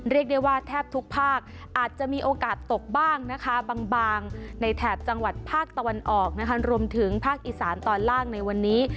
เรียกได้ว่าแทบทุกภาคอาจจะมีโอกาสตกบ้างนะคะบางในแถบจังหวัดภาคตะวันออกนะคะรวมถึงภาคอีสานตอนล่างในวันนี้